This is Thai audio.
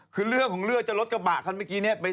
คือเรื่องของเรื่องจะรถกระบะคันเมื่อกี้เนี่ย